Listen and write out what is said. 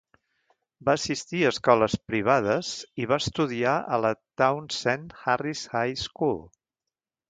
Va assistir a escoles privades i va estudiar a la Townsend Harris High School.